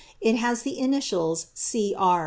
It has the initials G. R.